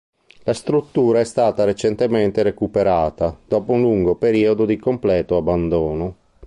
La struttura è stata recentemente recuperata dopo un lungo periodo di completo abbandono.